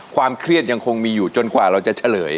ความเครียดยังคงมีอยู่จนกว่าเราจะเฉลย